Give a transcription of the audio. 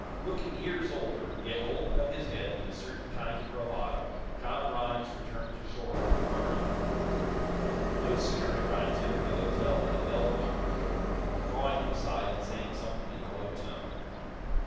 Looking years older, yet holding up his head in a certain kind of bravado, John Rhinds returned to shore with the party. No sooner had Rhinds entered the hotel than a bell boy moved over, drawing him aside and saying something in a low tone.